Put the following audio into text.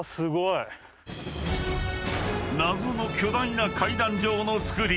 ［謎の巨大な階段状の造り］